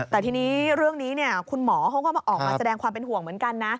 แต่ทีนี้เรื่องนี้คุณหมอเขาก็ออกมาแสดงความเป็นห่วงเหมือนกันนะ